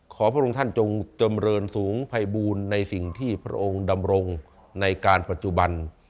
พระองค์ท่านจงจำเรินสูงภัยบูรณ์ในสิ่งที่พระองค์ดำรงในการปัจจุบัน